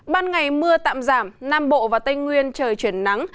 ban ngày mưa tạm giảm nam bộ và tây nguyên trời chuyển nắng